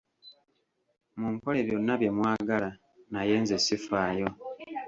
Munkole byonna bye mwagala, naye nze sifaayo.